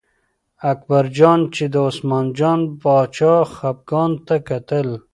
اکبرجان چې د عثمان جان باچا خپګان ته کتل.